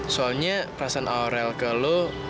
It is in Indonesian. karena perasaan aurel ke lo